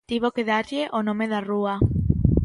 Tivo que darlle o nome da rúa.